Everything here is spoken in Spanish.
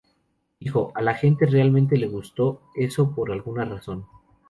Dijo: "A la gente realmente le gustó eso por alguna razón.